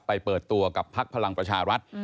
เปิดตัวกับพักพลังประชารัฐ